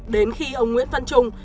đến khi ông nguyễn văn trung